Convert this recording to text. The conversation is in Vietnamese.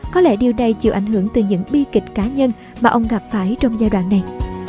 có lẽ điều này chịu ảnh hưởng từ những bi kịch cá nhân mà ông gặp phải trong giai đoạn này